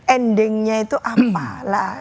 endingnya itu apa lah